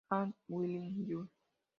Hank Williams Jr.